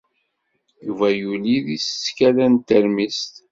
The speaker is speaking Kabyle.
Yuba yuli deg teskala n teṛmist.